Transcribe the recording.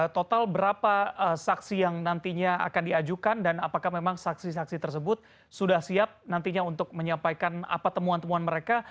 total berapa saksi yang nantinya akan diajukan dan apakah memang saksi saksi tersebut sudah siap nantinya untuk menyampaikan apa temuan temuan mereka